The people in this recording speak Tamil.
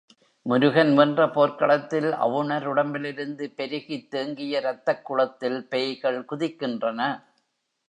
முருகன் வென்ற போர்க்களத்தில் அவுணர் உடம்பிலிருந்து பெருகித் தேங்கிய ரத்தக் குளத்தில் பேய்கள் குதிக்கின்றன.